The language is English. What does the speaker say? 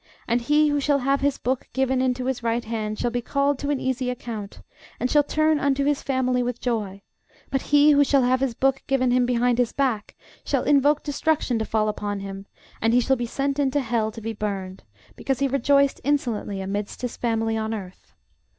And he who shall have his book given into his right hand shall be called to an easy account, and shall turn unto his family with joy: but he who shall have his book given him behind his back shall invoke destruction to fall upon him, and he shall be sent into hell to be burned; because he rejoiced insolently amidst his family on earth.